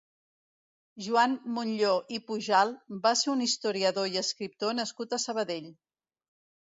Joan Montllor i Pujal va ser un historiador i escriptor nascut a Sabadell.